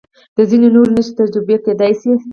و ځینې نورې نښې تجربه کېدای شي.